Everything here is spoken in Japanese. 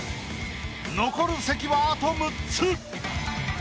残る席はあと６つ。